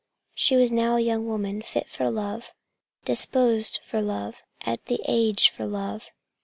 She was a young woman fit for love, disposed for love, at the age for love.